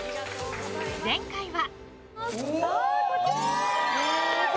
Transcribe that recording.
前回は。